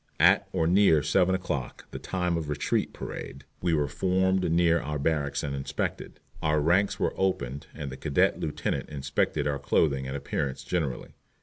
At or near seven o'clock, the time of retreat parade, we were formed near our barracks and inspected. Our ranks were opened and the cadet lieutenant inspected our clothing and appearance generally.